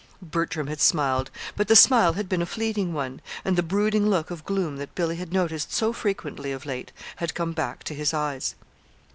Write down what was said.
Bertram had smiled, but the smile had been a fleeting one, and the brooding look of gloom that Billy had noticed so frequently, of late, had come back to his eyes.